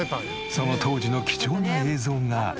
その当時の貴重な映像がこちら。